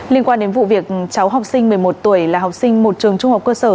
liên quan đến vụ việc cháu học sinh một mươi một tuổi là học sinh một trường trung học cơ sở